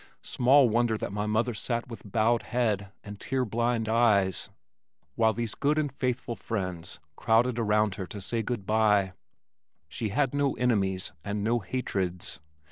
Small wonder that my mother sat with bowed head and tear blinded eyes, while these good and faithful friends crowded around her to say good bye. She had no enemies and no hatreds.